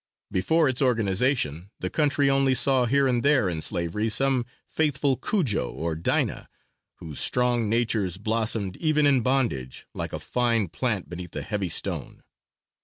Before its organization, the country only saw here and there in slavery some faithful Cudjoe or Dinah, whose strong natures blossomed even in bondage, like a fine plant beneath a heavy stone.